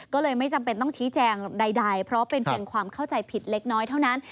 ก็เลยไม่จำเป็นต้องชี้แจงใดเพราะเป็นเพียงความเข้าใจผิดเล็กน้อยเท่านั้น